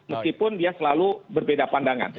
meskipun dia selalu berbeda pandangan